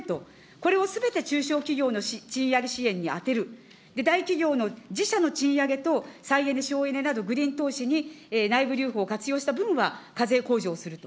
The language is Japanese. これをすべて中小企業の賃上げ支援に充てる、大企業の自社の賃上げと再エネ・省エネなど、グリーン投資に内部留保を活用した分は課税控除をすると。